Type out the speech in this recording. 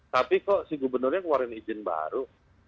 tapi kok si gubernurnya keluarin izin baru